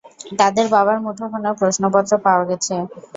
তাঁদের বাবার মুঠোফোনেও প্রশ্নপত্র পাওয়া গেছে।